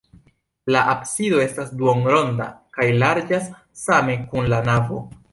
La absido estas duonronda kaj larĝas same kun la navo.